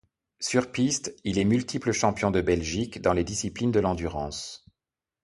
Sur piste, il est multiple champion de Belgique dans les disciplines de l'endurance.